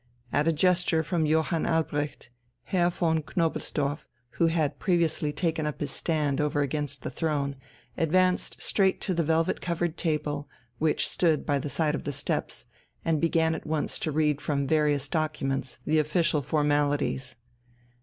At a gesture from Johann Albrecht, Herr von Knobelsdorff, who had previously taken up his stand over against the throne, advanced straight to the velvet covered table, which stood by the side of the steps, and began at once to read from various documents the official formalities.